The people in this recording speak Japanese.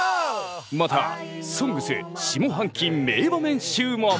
また「ＳＯＮＧＳ」下半期名場面集も！